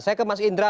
saya ke mas indra